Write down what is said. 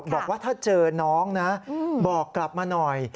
บอกว่าถ้าเจอน้องนะบอกกลับมาหน่อย